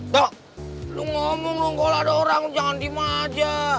dok lo ngomong dong kalau ada orang jangan dimaja